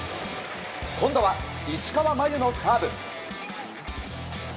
今度は、石川真佑のサーブ。